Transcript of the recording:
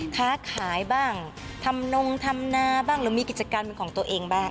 ค้าขายบ้างทำนงทำนาบ้างหรือมีกิจการเป็นของตัวเองบ้าง